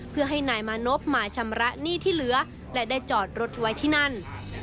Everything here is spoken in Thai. เพื่อให้นายมานพมาชำระหนี้ที่เหลือและได้จอดรถไว้ที่นั่น